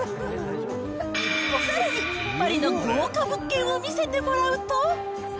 さらに、パリの豪華物件を見せてもらうと。